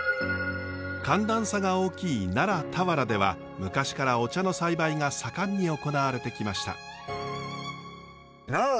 寒暖差が大きい奈良・田原では昔からお茶の栽培が盛んに行われてきました。